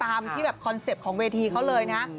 ตามที่คอนเซปต์ของเวทีเขาเลยนะ